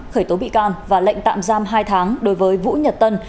khởi tố bị can và lệnh tạm giam hai tháng đối với vũ nhật tân